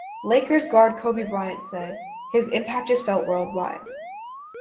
Lakers guard Kobe Bryant said "His impact is felt worldwide".